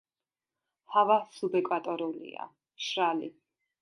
ჰავა სუბეკვატორულია, მშრალი.